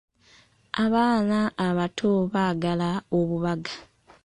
Abaana abato baagala obubaga.